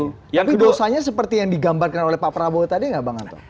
tapi dosanya seperti yang digambarkan oleh pak prabowo tadi nggak bang anto